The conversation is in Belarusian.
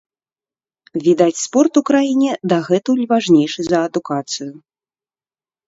Відаць, спорт у краіне дагэтуль важнейшы за адукацыю.